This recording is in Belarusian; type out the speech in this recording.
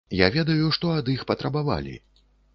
Я ведаю, што ад іх патрабавалі.